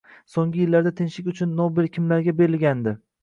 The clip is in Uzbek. So‘nggi yillarda tinchlik uchun Nobel kimlarga berilgandi?